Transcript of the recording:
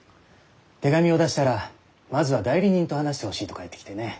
手紙を出したらまずは代理人と話してほしいと返ってきてね。